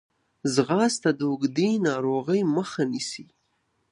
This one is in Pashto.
ځغاسته د اوږدې ناروغۍ مخه نیسي